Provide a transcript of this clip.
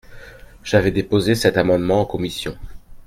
J’avais déposé cet amendement en commission.